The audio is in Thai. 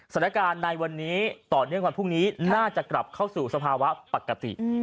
สถานการณ์ในวันนี้ต่อเนื่องวันพรุ่งนี้น่าจะกลับเข้าสู่สภาวะปกติ